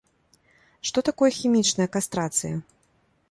Што такое хімічная кастрацыя?